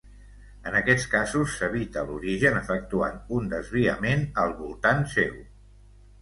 En aquests casos s'evita l'origen efectuant un desviament al voltant seu.